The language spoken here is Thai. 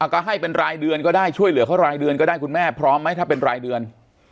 ก็ให้เป็นรายเดือนก็ได้ช่วยเหลือเขารายเดือนก็ได้คุณแม่พร้อมไหมถ้าเป็นรายเดือน